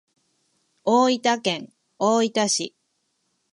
大分県大分市